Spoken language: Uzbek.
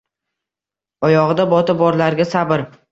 Oyogʻida boti borlarga sabr...